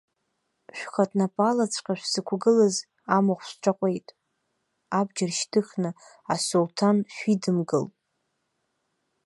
Шәхатә напалаҵәҟьа шәзықәгылаз амахә шәҿаҟәеит, абџьар шьҭыхны асулҭан шәидымгылт!